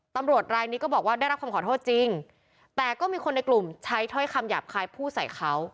ตำรวจรายนี้ก็บอกว่าได้รับคำขอโทษจริงแต่ก็มีคนในกลุ่มใช้ถ้อยคำหยาบคายพูดใส่เขา